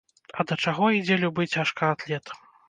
А да чаго ідзе любы цяжкаатлет?